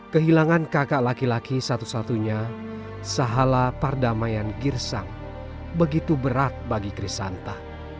kehilangan kakak laki laki satu satunya sahala pardamaian girsang begitu berat bagi krisanta